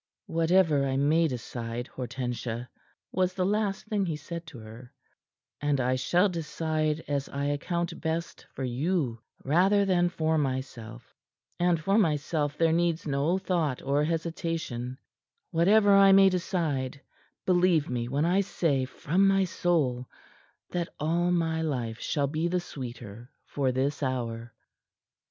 "Whatever I may decide, Hortensia" was the last thing he said to her, "and I shall decide as I account best for you, rather than for myself; and for myself there needs no thought or hesitation whatever I may decide, believe me when I say from my soul that all my life shall be the sweeter for this hour."